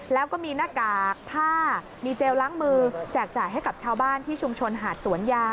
แล้วก็มีหน้ากากผ้ามีเจลล้างมือแจกจ่ายให้กับชาวบ้านที่ชุมชนหาดสวนยา